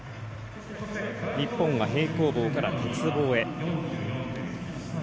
日本が平行棒から鉄棒へ。